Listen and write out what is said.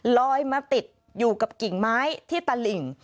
ลอยมาติดอยู่กับกิ่งไม้ที่ตลิ่ง